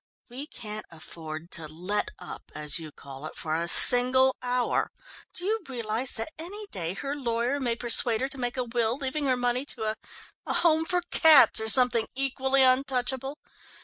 "We can't afford to 'let up' as you call it, for a single hour. Do you realise that any day her lawyer may persuade her to make a will leaving her money to a a home for cats, or something equally untouchable?